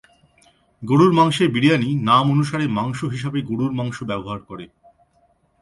গরুর মাংসের বিরিয়ানি, নাম অনুসারে, মাংস হিসাবে গরুর মাংস ব্যবহার করে।